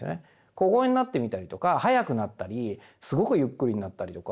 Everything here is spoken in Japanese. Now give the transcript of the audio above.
小声になってみたりとか早くなったりすごくゆっくりになったりとか。